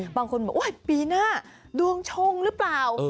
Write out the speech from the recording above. บางคนบอกปีหน้าดวงชงหรือเปล่า